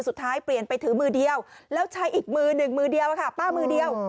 สุดท้ายเปลี่ยนไปถือมือเดียวแล้วใช้อีกมือ๑มือเดียวค่ะ